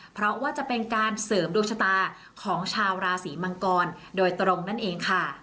เพราะว่าจะเป็นการเสริมดวงชะตาของชาวราศีมังกรโดยตรงนั่นเองค่ะ